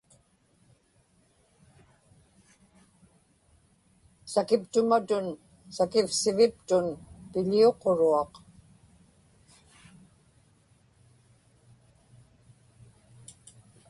sakiptumatun sakivsiviptun piḷiuquruaq